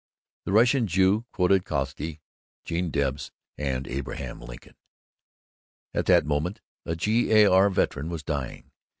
The Russian Jew quoted Kautsky, Gene Debs, and Abraham Lincoln. At that moment a G. A. R. veteran was dying.